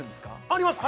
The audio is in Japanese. あります